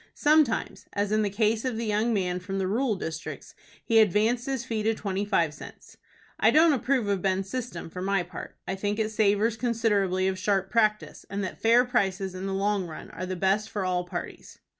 Sometimes, as in the case of the young man from the rural districts, he advanced his fee to twenty five cents. I don't approve Ben's system for my part. I think it savors considerably of sharp practice, and that fair prices in the long run are the best for all parties.